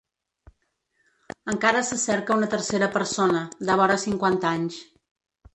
Encara se cerca una tercera persona, de vora cinquanta anys.